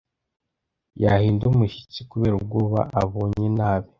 Yahinda umushyitsi kubera ubwoba abonye nabi.